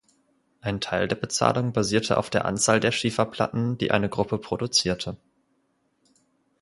Ein Teil der Bezahlung basierte auf der Anzahl der Schieferplatten, die eine Gruppe produzierte.